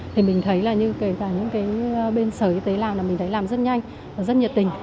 thì mình thấy là như kể cả những cái bên sở y tế làm là mình thấy làm rất nhanh và rất nhiệt tình